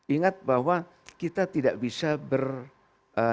ingat bahwa kita tidak bisa berbicara